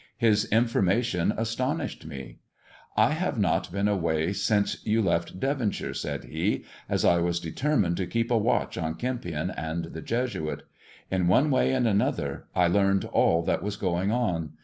His information astonished me. " I have not been away since you left Devonshire," said he, *' as I was determined to keep a watch on Kempion and the Jesuit. In one way and another I learned all that was going on.